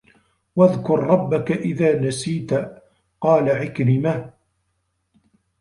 وَاذْكُرْ رَبَّك إذَا نَسِيتَ قَالَ عِكْرِمَةُ